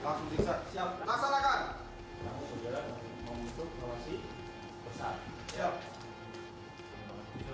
membentuk operasi besar